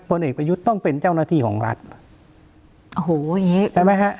เอกประยุทธ์ต้องเป็นเจ้าหน้าที่ของรัฐโอ้โหอย่างงี้ใช่ไหมฮะ